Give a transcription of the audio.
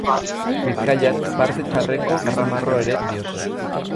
Bizkaian parte txarreko karramarro ere diote.